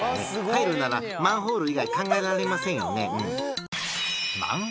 入るならマンホール以外考えられませんよねうん」